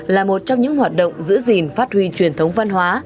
là một trong những hoạt động giữ gìn phát huy truyền thống văn hóa